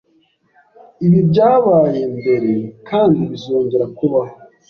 Ibi byabaye mbere kandi bizongera kubaho